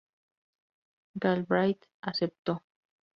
Galbraith aceptó.